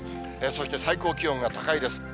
そして最高気温が高いです。